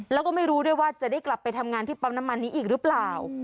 แล้วก็ไม่รู้ด้วยว่าจะได้กลับไปทำงานที่ปั๊มน้ำมันนี้อีกหรือเปล่า